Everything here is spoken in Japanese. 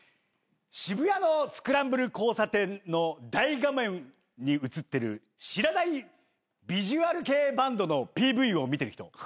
渋谷のスクランブル交差点の大画面に映ってる知らないビジュアル系バンドのＰＶを見てる人。